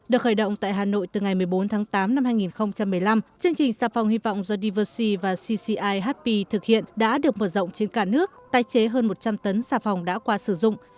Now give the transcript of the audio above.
được khởi động tại hà nội từ ngày một mươi bốn tháng tám năm hai nghìn một mươi năm chương trình sản phẩm hy vọng do diversity và cci happy thực hiện đã được mở rộng trên cả nước tái chế hơn một trăm linh tấn sản phẩm đã qua sử dụng